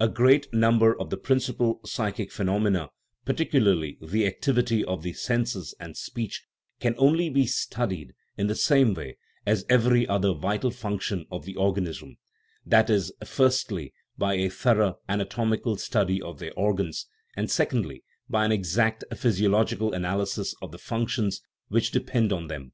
A great number of the principal psychic phenomena, particu 95 THE RIDDLE OF THE UNIVERSE larly the activity of the senses and speech, can only be studied in the same 'way as every other vital function of the organism that is, firstly, by a thorough anatom ical study of their organs, and, secondly, by an exact physiological analysis of the functions which depend on them.